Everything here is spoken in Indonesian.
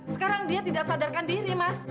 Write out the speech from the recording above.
sekarang dia tidak sadarkan diri mas